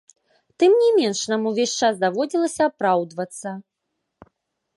Тым не менш, нам увесь час даводзілася апраўдвацца.